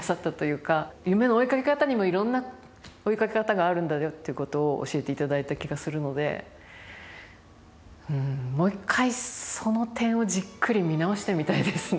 夢の追いかけ方にもいろんな追いかけ方があるんだよっていうことを教えていただいた気がするのでうんもう一回その点をじっくり見直してみたいですね